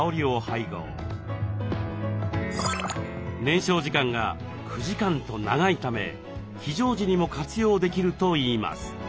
燃焼時間が９時間と長いため非常時にも活用できるといいます。